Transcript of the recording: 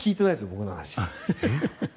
僕の話。